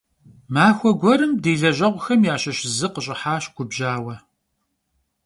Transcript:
Maxue guerım di lejeğuxem yaşış zı khış'ıhaş, gubjaue.